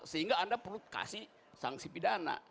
sehingga anda perlu kasih sanksi pidana